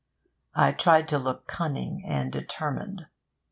I tried to look cunning and determined.